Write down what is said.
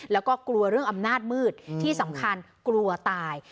แล้วก็กลัวเรื่องอำนาจมืดที่สำคัญกลัวตาย